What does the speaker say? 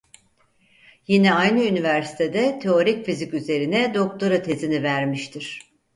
Yine aynı üniversitede teorik fizik üzerine doktora tezini vermiştir.